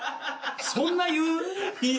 そんな言う？